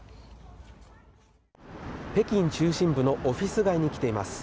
北京中心部のオフィス街に来ています。